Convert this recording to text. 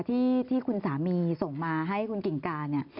ที่คุณสามีส่งมาให้คุณกิ่งการเนี่ย